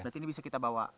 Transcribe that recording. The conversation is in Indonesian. berarti ini bisa kita bawa